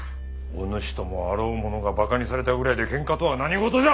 お主ともあろう者がバカにされたぐらいでけんかとは何事じゃ！